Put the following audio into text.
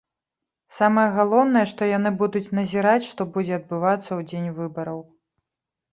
Самае галоўнае, што яны будуць назіраць, што будзе адбывацца ў дзень выбараў.